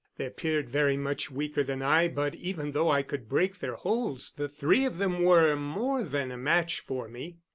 They appeared very much weaker than I, but even though I could break their holds the three of them were more than a match for me.